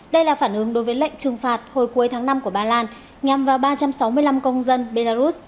đây là phản ứng đối với lệnh trừng phạt hồi cuối tháng năm của ba lan nhằm vào ba trăm sáu mươi năm công dân belarus